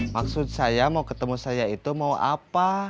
maksud saya mau ketemu saya itu mau apa